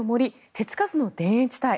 手つかずの田園地帯。